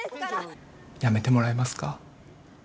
辞めてもらえますか。